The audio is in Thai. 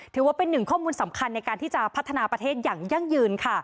ถือว่าเป็นหนึ่งข้อมูลสำคัญในการที่จะพัฒนาประเทศอย่างยั่งยืนค่ะ